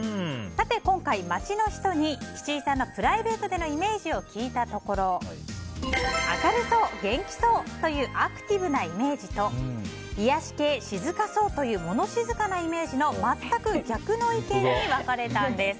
今回、街の人に岸井さんのプライベートでのイメージを聞いたところ明るそう、元気そうというアクティブなイメージと癒やし系、静かそうという物静かなイメージの全く逆の意見に分かれたんです。